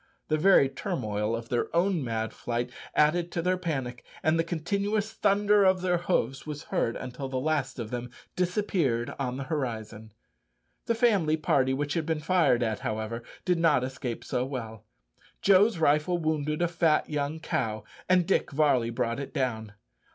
The very turmoil of their own mad flight added to their panic, and the continuous thunder of their hoofs was heard until the last of them disappeared on the horizon. The family party which had been fired at, however, did not escape so well, Joe's rifle wounded a fat young cow, and Dick Varley brought it down.